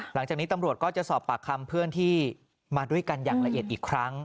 หลังจากนี้ตำรวจก็จะสอบปากคำเพื่อนที่มาด้วยกันอย่างละเอียดอีกครั้ง